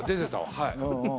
はい。